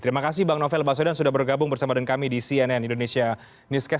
terima kasih bang novel baswedan sudah bergabung bersama dengan kami di cnn indonesia newscast